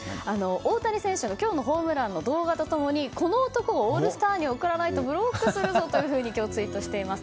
大谷選手の今日のホームランの動画と共にこの男をオールスターに送らないとブロックするぞと今日、ツイートしています。